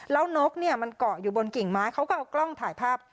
แล้วนกเนี่ยมันเกาะอยู่บนกิ่งไม้เขาก็เอากล้องถ่ายภาพ